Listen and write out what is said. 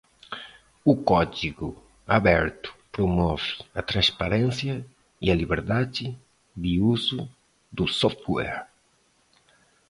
O código aberto promove a transparência e a liberdade de uso do software.